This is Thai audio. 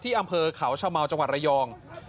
ที่อำเภอขาวชาวเมาส์จังหวัดระยอง